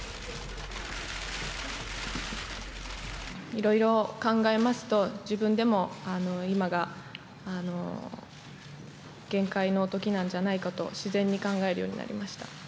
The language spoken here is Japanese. いろいろ考えますと自分でも今が限界の時なんじゃないかと自然に考えるようになりました。